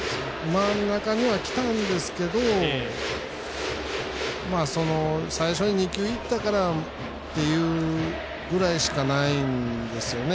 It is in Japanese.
真ん中にはきたんですけど最初に２球いったからっていうぐらいしかないんですよね。